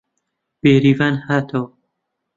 بێریڤان هاتەوە